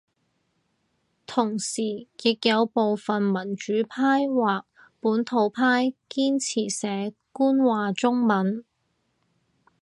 同時亦有部份民主派或本土派堅持寫官話中文